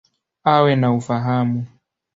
Awe na ufahamu.